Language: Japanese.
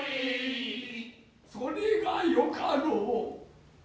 それがよかろう。